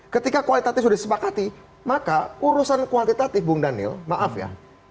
ketika kualitatif sudah disepakati maka urusan kuantitatif bung daniel maaf ya